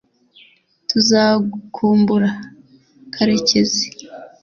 tuzagukumbura, karekezi